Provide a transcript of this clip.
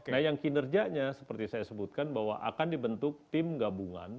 nah yang kinerjanya seperti saya sebutkan bahwa akan dibentuk tim gabungan